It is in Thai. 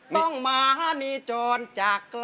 ต้องมาหนีจนจากไกล